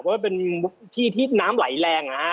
เพราะว่าเป็นที่ที่น้ำไหลแรงนะฮะ